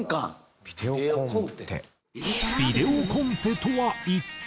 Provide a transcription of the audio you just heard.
ビデオコンテとは一体？